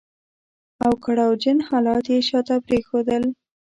او کړاو جن حالات يې شاته پرېښودل.